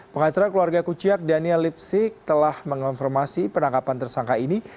pengacara keluarga kuciak daniel lipsik telah mengonfirmasi penangkapan tersangka ini